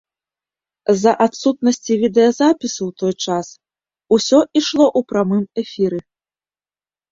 З-за адсутнасці відэазапісу ў той час, усё ішло ў прамым эфіры.